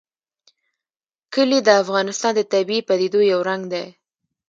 کلي د افغانستان د طبیعي پدیدو یو رنګ دی.